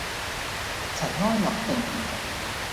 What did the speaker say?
塵埃落定